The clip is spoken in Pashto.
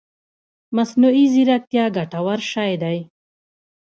مصنوعي ځيرکتيا ګټور شی دی